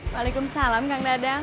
walaikum salam kang dadang